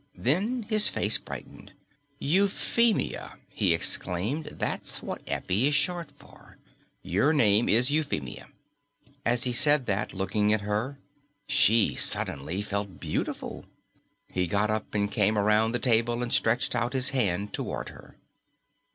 Then his face brightened. "Euphemia," he exclaimed. "That's what Effie is short for. Your name is Euphemia." As he said that, looking at her, she suddenly felt beautiful. He got up and came around the table and stretched out his hand toward her.